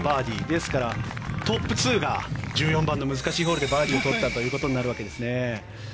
ですから、トップ２が１４番の難しいホールでバーディーを取ったということになるわけですね。